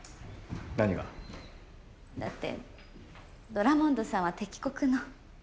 何が？だってドラモンドさんは敵国の。